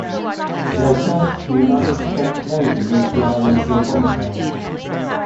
Later, the United States Navy used the island for a bombing range.